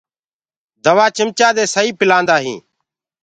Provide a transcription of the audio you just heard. دوآ چمچآ دي سئي پلآندآ هينٚ۔